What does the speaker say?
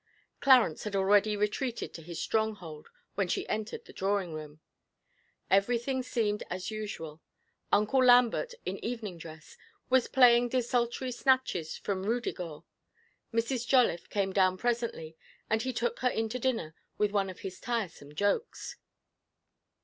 Clarence had already retreated to his stronghold when she entered the drawing room. Everything seemed as usual; Uncle Lambert, in evening dress, was playing desultory snatches from Ruddigore. Mrs. Jolliffe came down presently, and he took her in to dinner with one of his tiresome jokes.